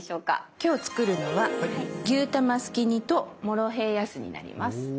今日作るのは「牛卵すき煮」と「モロヘイヤ酢」になります。